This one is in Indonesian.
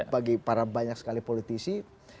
bagi para banyak sekali politisi